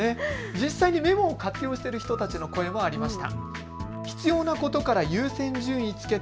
実際にメモを活用している人の声もありました。